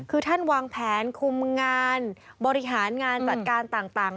คือท่านวางแผนคุมงานบริหารงานจัดการต่าง